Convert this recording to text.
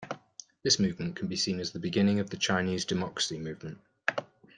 This movement can be seen as the beginning of the Chinese Democracy Movement.